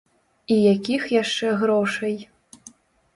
І якіх яшчэ грошай!